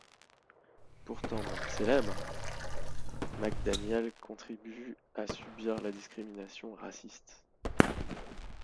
Pourtant, même célèbre, McDaniel continue à subir la discrimination raciste.